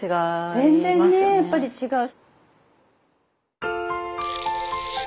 全然ねやっぱり違う。